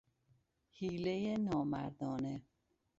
حیلهی نامردانه